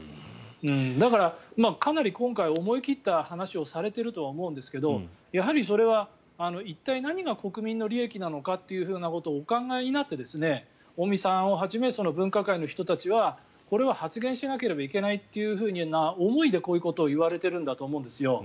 だから、かなり今回は思い切った話をされていると思うんですがやはりそれは、一体何が国民の利益なのかということをお考えになって尾身さんをはじめ分科会の人たちはこれは発言しなければいけないというふうな思いでこういうことを言われているんだと思うんですよ。